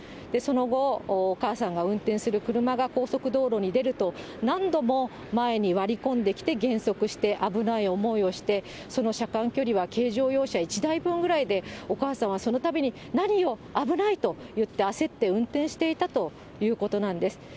その後、お母さんが運転する車が高速道路に出ると、何度も前に割り込んできて、減速して危ない思いをして、その車間距離は軽乗用車１台分ぐらいで、お母さんはそのたびに、何よ、危ないと言って焦って運転していたということなんです。